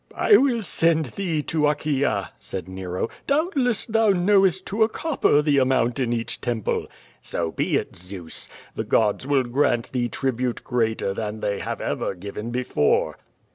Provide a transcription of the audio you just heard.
'" "I will send thee to Achaea," said Nero. "Doubtless thou knowest to a copper the amount in each temple." "So be it, Zeus. The gods will grant thee tribute greater than they have ever given before."